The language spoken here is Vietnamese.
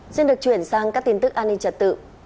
xin được chuyển sang các tin tức an ninh trật tự